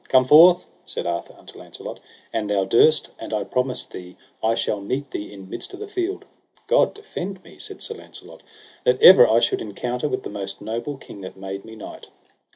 Come forth, said Arthur unto Launcelot, an thou durst, and I promise thee I shall meet thee in midst of the field. God defend me, said Sir Launcelot, that ever I should encounter with the most noble king that made me knight.